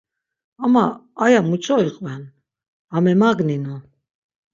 Ama aya muç̌o iqven, va memagninu.